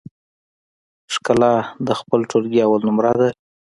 ښکلا د خپل ټولګي اول نمره ده